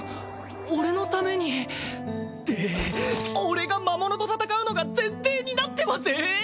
俺のためにって俺が魔物と戦うのが前提になってません？